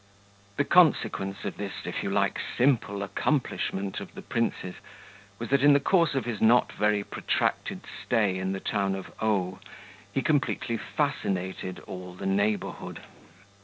The consequence of this, if you like, simple accomplishment of the prince's was that in the course of his not very protracted stay in the town of O he completely fascinated all the neighbourhood.